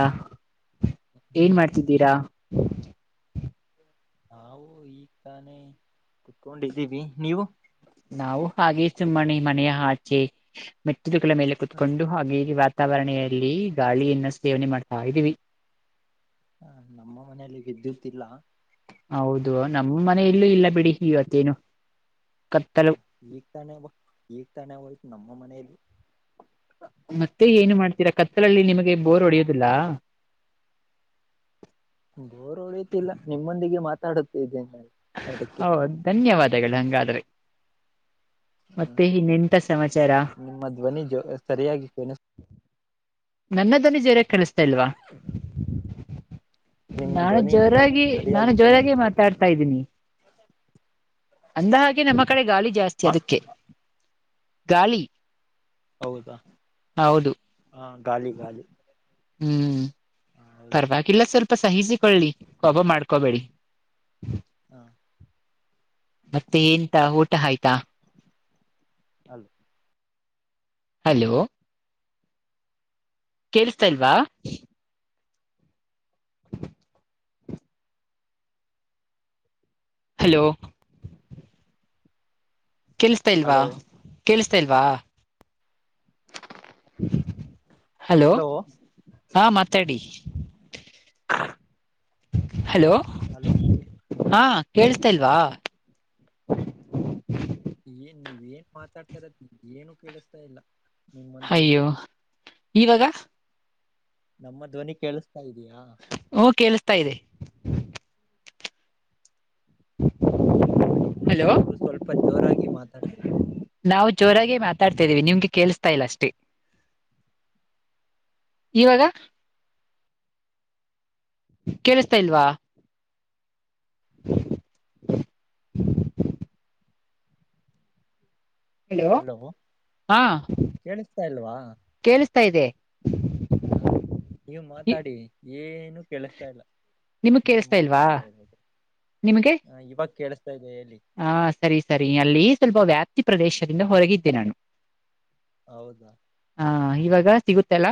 ಅಾ ಏನ್ ಮಾಡ್ತಿದ್ದೀರಾ ಹಾವು ಈ ತಾನೇ ಕುತ್ಕೊಂಡಿದ್ದೀವಿ ನೀವು ನಾವು ಹಾಗೇ ಸುಮ್ಮನೆಿ ಮನೆಯ ಆಚೆ ಮೆಚ್ಚಿದಗಳ ಮೇಲೆ ಕುೂತ್ಕೊಂಡು ಹಾಗೆ ವಾತಾವರಣೆಯಲ್ಲಿ ಗಾಳಿಯನ್ನ ಸೇವನೆ ಮಾಡ್ತಾ ಇದ್ದೀವಿ ಹ ನಮ್ಮ ಮನೆಯಲ್ಲಿ ವಿದ್ಯುತ್ಲ್ಲ ಹೌದು ನಮ್ಮ ಮನೆಯಲ್ಲೂ ಇಲ್ಲ ಬಿಡಿ ಇವತ್ತೇನು ಹ ಕತ್ತಲು ತಾನ ತಾನ ನಮ್ಮ ಮನೇೆಯಲ್ಲಿ. ಮತ್ತೆ ಏನು ಮಾಡ್ತೀರಾ ಕತ್ತಲಲ್ಲಿ ನಿಮಗೆ ಬೋರ್ ಹೊಡೆಯೋದಿಲ್ಲ. ಬೋರ್ [unintelligible] ನಿಮ್ಮೊಂದಿಗೆ ಮಾತಾಡುತೆನೆ [unintelligible] ಹೌ [unintelligible] ಧನ್ಯವಾದಗಳು ಹಂಗಾದ್ರೆ. ಹ್ಮ ಮತ್ತೆ ಇನ್ನೆಂತ ಸಮಾಚಾರ ನಿಮ್ಮ ಧ್ವನಿ ಜ [unintelligible] ಸರಿಯಾಗಿ [unintelligible] ನನ್ನ ದ್ವನಿ ಜೋರಾಗ್ ಕೇಳ್ಸ್ತಾ ಇಲ್ವಾ. ನಿಮ್ಮ ನಾನು ಧ್ವನಿ ಜೋರಾಗಿ ನಾನು ಸರಿಯಾಗಿ ಜೋರಾಗಿ ಕೇಳಿಸ್ತಾ ಇಲ್ಲ ಮಾತಾಡ್ತಾ ಇದ್ದೀನಿ. ಅಂದ ಹಾಗೆ ನಮ್ಮ ಕಡೆ ಗಾಳಿ ಜಾಸ್ತಿ ಹ ಅದಕ್ಕೆ ಗಾಳಿ. ಹೌದಾ ಹೌದು ಹಾ ಗಾಳಿ ಗಾಳಿ [unintelligible] ಹ್ಮ್ ಹ ಹೌದಾ ಪರವಾಗಿಲ್ಲ ಸ್ವಲ್ಪ ಸಹಿಸಿಕೊಳ್ಳಿ. [unintelligible] ಮಾಡ್ಕೊಬೇಡಿ. ಹಾ ಮತ್ತೆ ಏಂತ [unintelligible] ಊಟ ಆಯ್ತಾ [unintelligible] ಹಲೋ ಕೇಳಸ್ತಾಲ್ವಾ. ಹಲೋ ಕೇಳ್ಸ್ತಾ ಇಲ್ವಾ ಹಲೋ ಕೇಳ್ಸ್ತಾ ಇಲ್ವಾ ಹಲೋ ಹಾ ಮಾತಾಡಿ. [unintelligible] ಹಲೋ ಹಲೋ ಹಾ ಕೇಳಸ್ತಾಲ್ವಾ. ಏನ್ ನೀವ ಏನ್ ಮಾತಾಡ್ತಾರೋದು ಏನು ಕೇಳ್ಸ್ತಾ ಇಲ್ಲ ನಿಮ್ಮಂದಿಗೆ. ಅಯ್ಯೋ ಇವಾಗ ನಮ್ಮ ಧ್ವನಿ ಕೇಳಿಸತಾ ಇದೀಯಾ. ತ ಇದೆ [unintelligible] ನೋಡಿ [unintelligible] ಹಲೋ ನೀವು ಸ್ವಲ್ಪ ಜೋರಾಗಿ ಮಾತಾಡ್ಬೇಕು. ನಾವು ಜೋರಾಗಿ ಮಾತಾಡ್ತಾ ಇದೀವಿ [unintelligible] ನಿಮ್ಗೆ ಕೇಳ್ಸ್ತಾ ಇಲ್ಲ ಅಷ್ಟೇ ಇವಾಗ ಕೇಳಿಸ್ತಾ ಇಲ್ವಾ [inaudible] ಹಲೋ ಹಾ ಕೇಳಿಸ್ತಾ ಇದೆ [unintelligible] ಹಾ ನೀವ್ ಮಾತಾಡಿ ಏನು ಕೆೇಳಸ್ತಾ ಇಲ್ಲ. ನಿಮಗ್ ನೀವ್ ಕೇಳಿಸ್ತಾ ಇಲ್ವಾ ಮಾತಾಡ್ತಾ [unintelligible] ನಿಮಗೆ ಹ ಇವಾಗ [unintelligible] ಹಾ ಸರಿ ಸರಿ ಅಲ್ಲಿ ಸ್ವಲ್ಪ ವ್ಯಾಪ್ತಿ ಪ್ರದೇಶದಿಂದ ಹೊರಗಿದ್ದೆ ನಾನು. ಹೌದಾ ಹಾ ಇವಾಗ ಸಿಗುತ್ತಲ್ಲ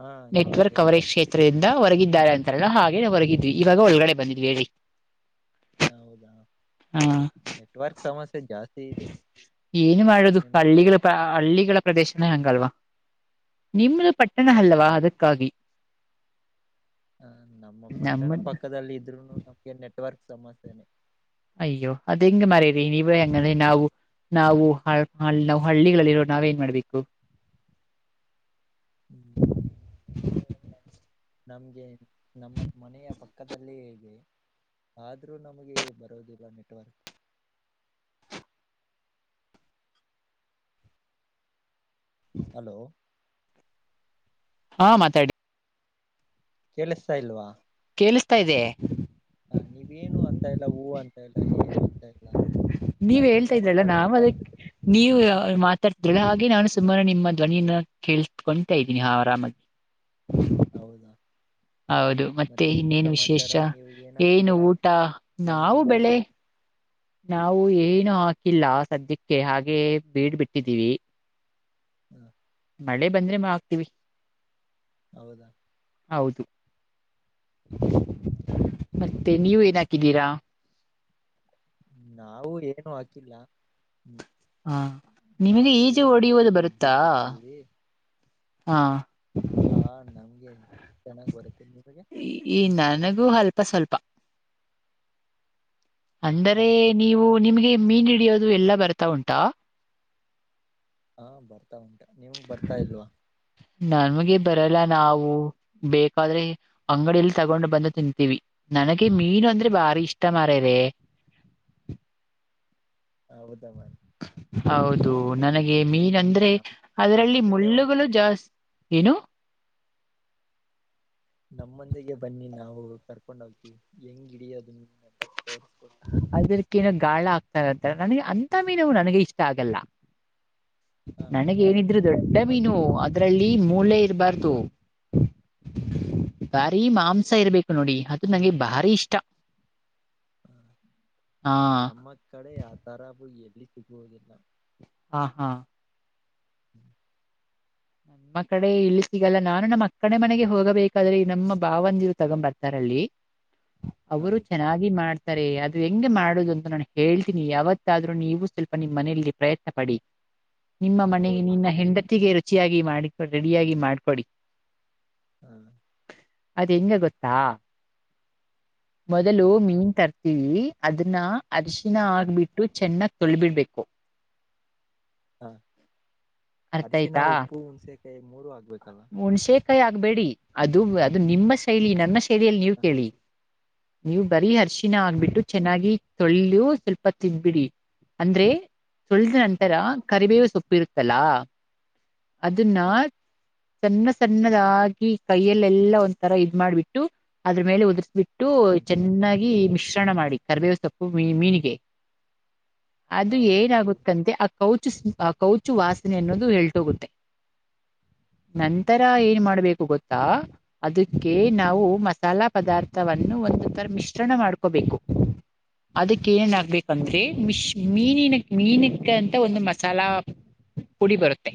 ಹಾ ಇವಾಗ ನೆಟ್ವರ್ಕ್ ಸಿಗ ಕವರೇಜ್ ಕ್ಷೇತ್ರದಿನ್ [unintelligible] [unintelligible] ಹೊರಗಿದ್ದಾರೆ ಅಂತಾರಲ್ಲ ಹಾಗಲೇ ಹೊರಗಿದ್ವಿ ಇವಾಗ ಒಳಗಡೆ ಬಂದಿದ್ವಿ ಹೇಳಿ. ಹ ಹೌದಾ ಹಾ ನೆಟ್ವರ್ಕ್ ಸಮಸ್ [unintelligible] ಏನು ಮಾಡದು ನಿಮ್ಮ ಕಡೆ ಹಳ್ಳಿಗಳ [unintelligible] ಹಳ್ಳಿಗಳ ಪ್ರದೇಶನೇ ಹಂಗಲ್ವಾ ನಿಮ್ಮದು ಪಟ್ಟಣ ಹೌದಾ ಅಲ್ಲ್ವಾ ಅದಕ್ಕಾಗಿ. ಹ ನಮ್ಮ ಪಟ್ಟಣ ನಮ್ಮದ ಪಕ್ಕದಲ್ಲಿ ಇದ್ರುನು ನಮ್ಗೆ ನೆಟ್ವರ್ಕ್ ಸಮಸ್ಯೆನೆೇ. ಅಯ್ಯೋ ಅದ ಹೆಂಗ ಮರರಿ [unintelligible] ನೀವ ಹೆಂಗಂದ್ರೆ ನಾವು ನಾವು [unintelligible] ಹಾಳ್ ಹಳ್ಳಿಗಳಲ್ಲಿ ಇರೋರ್ ನಾವೇನ್ ಮಾಡ್ಬೇಕು. ಹ್ಮ್, ನಮ್ಗೆ ನಮ್ಮ ಮನೆಯ ಪಕ್ಕದಲ್ಲಿ ಹೇಗೆ ಆದ್ರೂ ನಮಗೆ ಬರೋದಿಲ್ಲ ನೆಟ್ವರ್ಕ್. ಹಾ ಹಲೋ ಹಾ ಮಾತಾಡಿ ಕೆಳಿಸತಾ ಇಲ್ವಾ ಕೇಳಿಸ್ತಾ ಇದೆ ಹ ನೀವೇನು ಅಂತ ಇಲ್ಲ ಹೂ ಅಂತ ಇಲ್ಲ ಏನು ಅಂತ ಇಲ್ಲ ನೀವ್ ನಾವ್ ಹೆಂಗ ಹೇಳ್ತಾ ಇದ್ರಲ್ಲ ಮಾತಾಡೋದು ನಾವು ನಿಮ್ ಅದಕ್ ಜೊತೆ ನೀವು ಹಾಗೆ ನಾನು ಸುಮಾರು ನಿಮ್ಮ ಧ್ವನಿಯನ್ನ ಕೇಳಳ್ಕೊತಾ ಇದ್ದೀನಿ ಆರಾಮಾಗಿ ಹೌದಾ ಹೌದು ಮತ್ತೆ ಎಂತ ಇನ್ನೇನು ವಿಶೇಷ ಸಮಾಚಾರ ನೀವು ಏನ್ ಏನು ಹಾಕಿದೀರಾ ಊಟ ನಾವು ಬೆಳೆ ಜಮೀನಿನಲ್ಲಿ ನಾವು ಏನು ಹಾಕಿಲ್ಲ ಸದ್ಯಕ್ಕೆ ಹಾಗೆ ಬೀಡ ಬಿಟ್ಟಿದ್ದೀವಿ ಹ್ಮ ಮಳೆ ಬಂದ್ರೆ ಮಾ ಆಗ್ತೀವಿ ಹೌದಾ ಹೌದು ಹ್ಮ ಮತ್ತೆ ನೀವ ಏನ ಹಾಕಿದ್ದೀರಾ ನಾವು ಏನು ಹಾಕಿಲ್ಲ ಹ್ಮ ಹ ನಿಮಗೆ ನಾವವು ಈಜು ಹೊಡೆಯುವುದು ಬಿಟ್ಟಿದೀವಿ ಬರುತ್ತಾ ಬಿಡ್ ಬಿಟ್ಟಿದ್ದೀರಿ ಹಾ ಹಾ ನಮ್ಗೆ ಚೆನ್ನಾಗಿ ಬರುತ್ತೆ ನಿಮಗೆ ಇ ಅಲ್ಪ ಸ್ವಲ್ಪ ಅಂದರೆ ಹೌದಾ ನೀವು ನಿಮಗೆ ಮೀನ್ ಹಿಡಿಯೋದು ಎಲ್ಲಾ ಬರ್ತಾ ಉಂಟಾ ಹಾ ಬರ್ತಾ ಉಂಟಾ ನಿಮ್ ಬರ್ತಾ ಇಲ್ವಾ ನಮಗೆ ಬರಲ್ಲ ನಾವು ಬೇಕಾದ್ರೆ ಅಂಗಡಿಯಲ್ಲಿ ತಗೊಂಡು ಬಂದು ತಿಂತೀವಿ ನನಗೆ ಮೀನು ಅಂದ್ರೆ ಬಾರಿ ಇಷ್ಟ ಮಾರ ಇದೆ ಹ ಹೌದ ಮಾಡನ್ ಹೌದು ನನಗೆ ಮೀನ್ ಅಂದ್ರೆ ನಮ್ ನಮ್ಮ ಅದರಲ್ಲಿ ಜೊತೆ ಒಂದ್ ಮುಳ್ಳುಗಳು ಜಾಸ್ತಿ ಏನು ನಮ್ಮಂದಿಗೆ ಬನ್ನಿ ನಾವು ಕರ್ಕೊಂಡ್ ಹೋಗ್ತಿ ಹೆಂಗ್ ಗಿಡಿಯೋದು ಅಂತ ತೋರ್ಸ್ಕೊಡ್ತೀವಿ ಅದಕ್ಕೇನೋ ಗಾಳ ಆಗ್ತಾರ ಅಂತಾರ ನನಗೆ ಅಂಂತ ಮೀನುವು ನನಗೆ ಇಷ್ಟ ಆಗಲ್ಲ ಹ ನನಗೆ ಇನ್ನೇನ್ ಏನಿದ್ರು ದೊಡ್ಡ ಮೀನು ಅದು ಅದ್ರಲ್ಲಿ ಮೂಲೆ ಇರಬಾರ್ದು ಬಾರಿ ಮಾಂಸ ಇರ್ಬೇಕು ನೋಡಿ ಅದು ನಂಗೆ ಭಾರಿ ಇಷ್ಟ ಹ ಹಾ ನಮ್ಮ ಕಡೆ ಆ ತರಬು ಎಲ್ಲಿ ಸಿಗುವುದಿಲ್ಲ ಹಾ ಹಾ ಹ್ಮ್ ನಮ್ಮ ಕಡೆ ಇಲ್ಲಿ ಸಿಗಲ್ಲ ನಾನು ನಮ್ಮ ಅಕ್ಕಡೆ ಮನೆಗೆ ಹೋಗಬೇಕಾದ್ರೆ ನಮ್ಮ ಭಾವಂದಿರು ತಗೊ್ ಬರ್ತಾರಲ್ಲಿ ಅವರು ಹೌದಾ ಚೆನ್ನಾಗಿ ಮಾಡ್ ಸರಿ ಅದು ಹೆಂಗೆ ಮಾಡುದು ಅಂತ ನಾನು ಹೇಳ್ತೀನಿ ಯಾವತ್ತಾದ್ರೂ ನೀವು ಸ್ವಲ್ಪ ನಿಮ್ ಮನೆಯಲ್ಲಿ ಪ್ರಯತ್ನ ಪಡಿ ನಿಮ್ಮ ಮನೆಗೆ ನಿನ್ನ ಹೌದೌದು ಹೆಂಡತಿಗೆ ರುಚಿಯಾಗಿ ಮಾಡ ರೆಡಿಯಾಗಿ ಮಾಡ್ಕೊಡಿ ಹ ಅದ್ ಹೆಗೆ ಗೊತ್ತಾ ಮೊದಲು ಹ್ಮ್ ಮೀನ್ ತರ್ತಿೀವಿ ಅದನ್ನ ಅರಶಿನ ಹ ಆಗ್ಬಿಟ್ಟು ಚೆನ್ನ ತೊಳಿಬಿಡ್ಬೇಕು ಹಾ ಅರಶಿನ ಉಪ್ಪು ಹುಣ್ಸೆಕಾಯಿ ಮೂರು ಆಗ್ಬೇಕು ಹುಣ್ಸೆೇಕಾಯಿ ಆಗ್ಬೇಡಿ ಅದು ಅದು ನಿಮ್ಮ ಶೈಲಿ ನನ್ನ ಶೈಲಿಯಲ್ಲಿ ನೀವ್ ಹ ಕೇಳಿ ನೀವು್ ಬರೀ ಹರ್ಷಿನ ಹ ಆಗ್ಬಿಟ್ಟು ಚೆನ್ನಾಗಿ ಸೊಳ್ಳು ಸ್ವಲ್ಪ ತಬ್ಬಿಡಿ ಅಂದ್ರೆ ಸಳೆದ ನಂತರ ಹ ಕರಿಬೇವು ಸ ಪ್ರತಲಾ ಅನ್ನ ಹ ಸಣ್ಣ ಸಣ್ಣದಾಗಿ ಕೈಯಲ್ಲೆಲ್ಲಾ ಒಂಥರ ಇದ್ ಮಾಡ್ಬಿಟ್ಟು ಅದ್ರ ಮೇಲೆ ಉದರ್ಬಿಟ್ಟ ಬಿಟ್ಟು ಹ್ಮ್ ಚೆನ್ನಾಗಿ ಮಿಶ್ರಣ ಮಾಡಿ ಕರ್ಬೇವ ಸೊಪ್ಪು ಮೀ ಮೀನಿಗೆ ಅದು ಹೌದೌದು ಹೇಳಿ ಏನಾಗುತ್ತಂತೆ ಆ ಕೌ ಆ ಕೌಚು ವಾಸನೆ ಅನ್ನೋದು [unintelligible] ಹೋಗುತ್ತೆ ಹಾ ನಂತರ ಏನ್ ಮಾಡ ಬೇಕು ಗೊತ್ತಾ ಅದಕ್ಕೆ ನಾವು ಹ ಮಸಾಲಾ ಪದಾರ್ಥ ತವನ್ನು ಒಂದು ತರ ಮಿಶ್ರಣ ಮಾಡ್ಕೋಬೇಕು. ಅದಕ್ಕೆ ಏನ್ ಆಗಬೇಕಂದ್ರೆ ಮಿಶ ಮೀನಕ ಮೀನಕ. ಕೆ ಅಂತ ಒಂದು ಮಸಾಲಾ ಪುಡಿ ಬರುತ್ತೆ.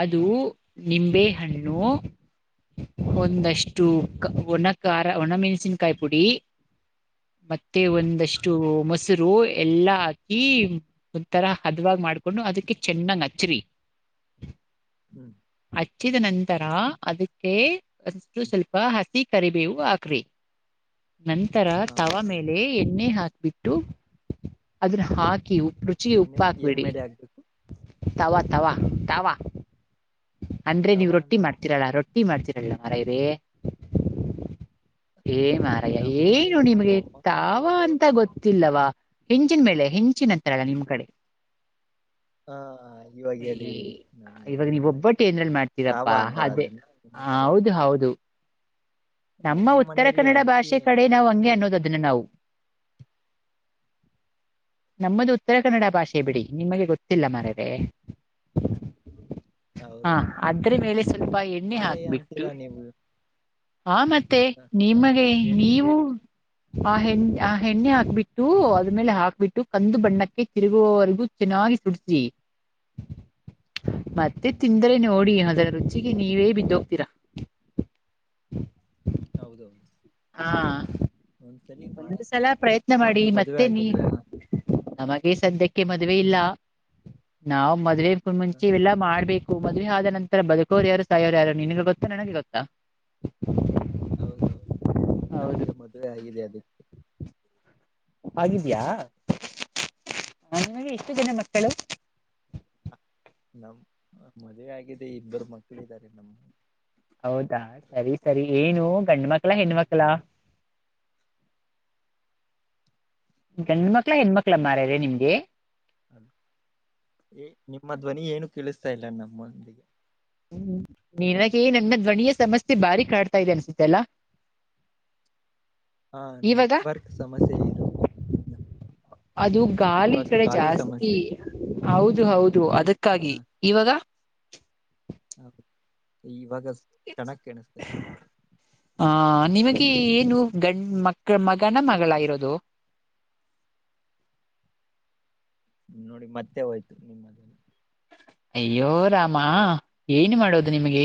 ಅದು ಹಾ ನಿಂಬೆಹಣ್ಣು. ಒಂದಷ್ಟು ಹ ಒಣ ಖಾರ ಒಣಮೆಣಸಿನ್ಕಾಯಿ ಪುಡಿ. ಮತ್ತೆ ಹ ಒಂದಷ್ಟು ಮೊಸ ರು ಎಲ್ಲಾ ಹಾಕಿ ಒಂಥರ ಹದವಾಗಿ ಮಾಡ್ಕೊಂಡು ಅದಕ್ಕೆ ಚೆನ್ನಾಗ್ ಅಚ್ಚರಿ. ಹ್ಮ್. ಹಚ್ಚಿದ ನಂತರ ಅದಕ್ಕೆ ಅಷ್ಟು ಸ್ವಲ್ಪ ಹಸಿ ಕರಿಬೇವು ಹಾಕ್ರಿ. ನಂತರ ಹಾ ತವಾ ಹೇಳಿ ಮೇಲೆ ಎಣ್ಣೆ ಹಾಕ್ಬಿಟ್ಟು ಅದನ್ನ ಹಾಕ ಕಿ ಉಪ್ಪ ರುಚಿಗೆ ಉಪ್ಪ ಏನು ಹಾಕಿ ಏನ್ ಬಿಡಿ ಮೇಲೆ ಆಗ್ಬೇಕು ತವಾ ತವಾ ತಾವ್ವ. ಅಂದ್ರೆ ನೀವು ತವಾ ರೊಟ್ಟಿ ಅಂದ್ರೆ ಮಾಡ್ತಿರಲ್ಲ ರೊಟ್ಟಿ ಮಾಡ್ತಿರಲ್ಲ ಮಾರಾಯರೇ. ಏ ಮಹಾರಯ್ಯ ನಮ್ಮ ಏನು ಮನೇಲಿ ನಿಮ್ಗೆ ನಮ್ಮಮ್ಮ ತಾವ ಮಾಡುವುದು ಅಂತ ಗೊತ್ತಿಲ್ಲವಾ. ಹಿಂಚಿನ ಮೇಲೆ ಹಿಂಚಿನ ಅಂತಾರಲ್ಲ ನಿಮ್ಮ್ ಕಡೆ. ಹಾ ಇವಾಗ [unintelligible] ಹೇಳಿ ನಮ್ಗೂ ಗೊತ್ತಾಯ್ತು. ಬೊಟ್ಟಿ ಎದುರಲಿ ತಾವ ಮಾಡ್ತೀರಪ್ಪಾ ಅಂತಾರ ಅದೇ ಅದನ್ನ ನಿಮ್ಮ ಹಾ ಕಡೆ ಹೌದು ಹೌದು. ನಮ್ಮ ಉತ್ತರ ಮನೆಯಲ್ಲಿ ಕನ್ನಡ ಹಂಚಿ ಭಾಷೆ ಕಡೆ ನಾವು ಹಂಚಿ ಹಂಗೆ ಅನ್ನೋದು ಅಂತೀವಿ ಅದನ್ನ ನಾವು. ನಮ್ಮದು ಉತ್ತರ ಕನ್ನಡ ಭಾಷೆ ಬಿಡಿ ಹೌದು ನಿಮಗೆ ಗೊತ್ತು. ತ್ತಿಲ್ಲ ಮಾರಾಯ್ರೆ. ಹಾ ಹೌದೌದು ಅದ್ರ ಮೇಲೆ ಸ್ವಲ್ಪ ಎಣ್ಣೆ ಮಾರಯ್ಯ ಹಾಕ್ಬಿಟ್ಟು. ಅಂತೀರಾ ನೀವು ಆನತ್ತೆ ನಿಮಗೆ ಹೇಳಿ ಹೇಳಿ ನೀವು. ಆ ಹೆಣ್ಣ ಆ ಹೆಣ್ಣೆ ಹಾಕ್ಬಿಟ್ಟು ಅದ್ಮೇಲೆ ಹಾಕ್ಬಿಟ್ಟು ಕಂದು ಬಣ್ಣಕ್ಕೆ ತಿರುಗುವವರೆಗೂ ತಿ. ನಾಗಿ ಸುಡತಿ. ಹ್ಮ. ಅಂದ್ರೆ ನೋಡಿ ಅದರ ರುಚಿಗೆ ನೀವೇ ಬಿದ್ದ ಹೋಗ್ತೀರಾ. ಹೌದೌದು. ಹಾ ಒಂದ್ಸಲಿ ಮಾಡ ಒಂದು ಸಲ ಪ್ರಯತ್ನ ಮಾಡಿ ನಿಮ್ಗೆ ಮದುವೆ ಮತ್ತೇ ನೀ. ಆಗಿದೆಯಾ ನಮಗೆ ಸದ್ಯಕ್ಕೆ ಮದ್ವೆ ಇಲ್ಲ ನಾವು ಮದುವೆ ಕು ಮುಂಚೆ ಇವೆಲ್ಲಾ ಮಾಡ್ಬೇಕು. ಹು ಮದುವೆ ಆದ ನಂತರ ಬದುಕೋರು ಯಾರು ಸಾಯೋರು ಯಾರು ನಿನಗೆ ಗೊತ್ತಾ ನನಗೆ ಗೊತ್ತಾ. ಹೌದ ಹೌದು ಹೌದು ನಮಗೆ ಮದುವೆ ಆಗಿದೆ ಅದಕ್ಕೆ. ಆಗಿದಿಯಾ. ನಿಮಗೆ ಎಷ್ಟು ಜನ ಮಕ್ಕಳು. ನಮ್ ಮದ್ವೆ ಆಗಿದೆ ಇಬ್ಬರು ಮಕ್ಕಳ ಇದಾರೆ ನಮ್ಮ. ಹೌದಾ ಸರಿ ಸರಿ ಏನು ಗಂಡ್ಮಕ್ಳ ಹ ಹೆಣ್ಮಕ್ಳ. ಹೌದು ಗಂಡ ಮಕ್ಳ ಹೆಣ್ಮಕ್ಳ ಮಾರಾಯ್ರೆ ನಿಮ್ಗೆ. [unintelligible] ಏ ನಿಮ್ಮ ಧ್ವನಿ ಏನು ಕೇಳಿಸ್ತಾ ಇಲ್ಲ ನಮ್ಮೊಂದಿಗೆ. ಹ್ಮ್ ನನಗೆ ನನ್ನ ಧ್ವನಿಯ ಸಮಸ್ಯೆ ಬಾರಿ ಕಾಡ್ತಾ ಇದೆ ಅನ್ಸುತ್ತೆ ಅಲ್ಲ. [inaudible] ಹಾ ಇವಾಗ ನೆಟ್ವರ್ಕ್ ಸಮಸ್ಯೆ ಇರೋರೆ. ಅದು ಗಾಳಿ ಈ ಕಡೆ ಜಾಸ್ತಿ. ಸಮಸ್ಯೆ ಹೌದು ಹೌದು ಅದಕ್ಕಾಗಿ ಇವಾಗ. ಹ ಇವಾಗ [unintelligible] ಕೆಣಿಸ್ತ [unintelligible] ಕಿ ಏನು ಗಂಡ್ ಮಕ್ಕ ಮಗನ ಮಗಳ ಇರೋದು. [inaudible] ನೋಡಿ ಮತ್ತೆ ಹೋಯ್ತು ನಿಮ್ಮದು. ಅಯ್ಯೋ ರಾಮ ಏನು ಮಾಡೋದು ನಿಮಗೆ.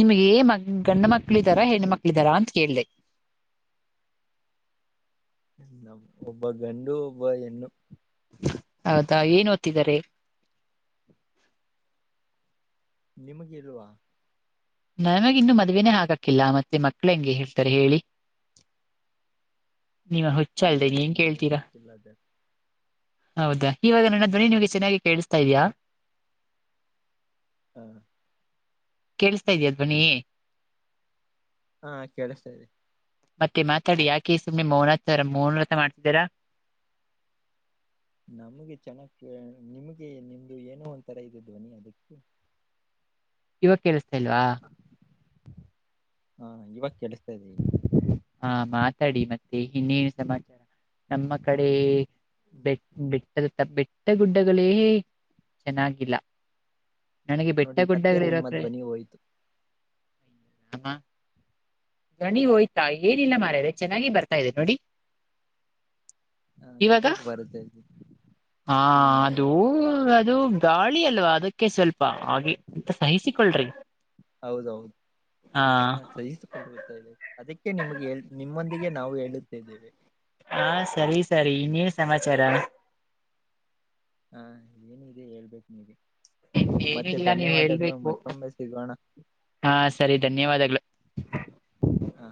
ನಿಮ್ಗೆ ಮ ಗಂಡ ಮಕ್ಕಳ ಇದಾರಾ ಹೆಣ್ಣ ಮಕ್ಕಳ ಇದಾರ ಅಂತ ಕೇಳ್ದೆ. [inaudible] ಒಬ್ಬ ಗಂಡು ಒಬ್ಬ ಹೆಣ್ಣು ಹೌದಾ ಏನ್ ಓದ್ತಿದ್ದಾರೆ ನಿಮಗೆ ಇಲ್ವಾ ನಮಗ ಇನ್ನು ಮದ್ೇನೆ ಹಾಕಕಿಲ್ಲ ಮತ್ತೆ ಮಕ್ಳ ಹೆಂಗೆ ಹೇಳ್ತಾರೆ ಹೇಳಿ ನಿಮ್ಮ ಹುಚ್ಚ ಅಲ್ದೆ ಏನೋ ಏನ್ ನಾವು ಕೇಳ್ತೀರಾ ಗೊತ್ತಿಲ್ಲ ಅದ ಹೌದಾ ಇವಾಗ ನನ್ನ ಧ್ವನಿ ನಿಮ್ಗೆ ಚೆನ್ನಾಗಿ ಕೇಳಿಸ್ತಾ ಇದ್ಯಾಾ ಹ್ಮ ಕೇೇಳಸ್ತಾ ಇದ್ಯದ್ ಬನ್ನಿ ಹಾ ಕೇಳ್ತೇರಿ ಮತ್ತೆ ಮಾತಾಡಿ ಯಾಕೆ ಸುಮ್ನೆ ಮೌನ ಹತ್ರ ಮೌನ ಹತ್ರ ಮಾಡ್ತಿದ್ದೀರಾ ನಮ್ಗೆ ಚೆನ್ನಕ್ ನಿಮ್ಗೆ ನಿಮ್ದು ಏನೋ ಒಂಥರ ಇದೆ ಧ್ವನಿ ಅದಕ್ಕ ಇವಾಗ ಕೇಳಸ್ತಾ ಇಲ್ವಾ ಹಾ ಇವಾಗ ಕೇಳಿಸ್ತಾ ಇದೀವಿ ಹಾ ಮಾತಾಡಿ ಮತ್ತೆ ಇನ್ನೇನು ಸಮಾಚಾರ ನಮ್ಮ ಕಡೆ ಬೆಟ್ ಬೆಟ್ಟದ ಬೆಟ್ಟಗುಡ್ಡಗಳೇ ಚೆನ್ನಾಗಿಲ್ಲ ನನಗೆ ಬೆಟ್ಟ ನೋಡಿ ಮತ್ತೆ ನಿಮ್ಮ ಗುಡ್ಡಗಳಿರಕರಿಾಮ ಧ್ವನಿ ಹೋಯ್ತು ಗಣಿ ಹೋಯ್ತಾ ಏನಿಲ್ಲ ಮಾರದೆ ಚೆನ್ನಾಗಿ ಬರ್ತಾ ಇದೆ ನೋಡಿ ಹಾ ಇವಾಗ ಬರ್ತದೆ ಹಾ ಇವಾಗ ಬರ್ತದೆ ಅದು ಗಾಳಿ ಅಲ್ವಾ ಅದಕ್ಕೆ ಸ್ವಲ್ಪ ಹಾಗೆಂತ ಸಹಿಸಿಕೊಳ್ರಿ ಹೌದೌದು ಹಾ ಸಹಿಸಕೊಂಡತಾ ಇದೆ ಅದಕ್ಕೆ ನಿಮಗೆ ನಿಮ ನಮ್ಮಂದಿಗೆ ನಾವು ಹೇಳುತ್ತಿದ್ದೇವೆ ಹಾ ಸರಿ ಸರಿ ಇನ್ನೇನ್ ಸಮಾಚಾರ ಹಾ ಏನಿದೆ ಹೇಳ್ಬೇಕು ನೀಗೆ ಮತ್ತೆ ಏನಿಲ್ಲ ನೀವ್ ಧನ್ಯವಾದಗಳು ಹೇಳ್ಬೇಕು ಮತ್ತೊಮ್ಮೆ ಸಿಗೋಣ ಹಾ ಸರಿ ಧನ್ಯವಾದಗಳು ಹಾ